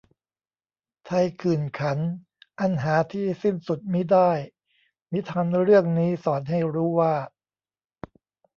ไทยขื่นขัน อันหาที่สิ้นสุดมิได้ "นิทานเรื่องนี้สอนให้รู้ว่า"